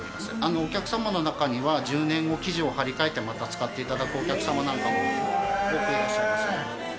お客様の中には、１０年後、生地を張り替えてまた使っていただくお客様なんかもよくいらっしゃいますね。